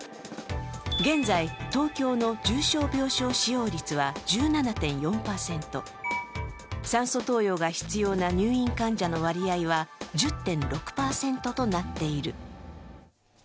現在、東京の重症病床使用率は１７．４％、酸素投与が必要な入院患者の割合は１０．６％となっている。